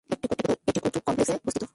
এটি কুতুব কমপ্লেক্সের মধ্যে অবস্থিত।